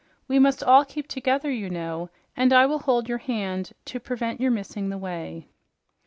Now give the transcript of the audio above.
We must all keep together, you know, and I will hold your hand to prevent your missing the way."